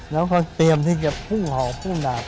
แล้วก็เตรียมที่จะพู่ห่อพู่ดาบ